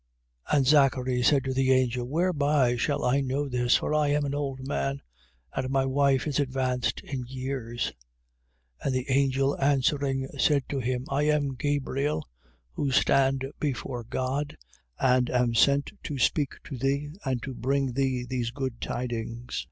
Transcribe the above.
1:18. And Zachary said to the angel: Whereby shall I know this? For I am an old man, and my wife is advanced in years. 1:19. And the angel answering, said to him: I am Gabriel, who stand before God and am sent to speak to thee and to bring thee these good tidings.